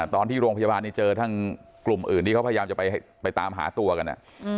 ตอนที่โรงพยาบาลนี้เจอทั้งกลุ่มอื่นที่เขาพยายามจะไปตามหาตัวกัน